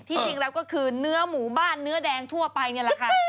จริงแล้วก็คือเนื้อหมู่บ้านเนื้อแดงทั่วไปนี่แหละค่ะ